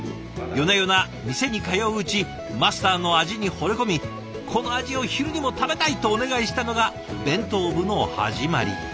夜な夜な店に通ううちマスターの味にほれ込み「この味を昼にも食べたい！」とお願いしたのが弁当部の始まり。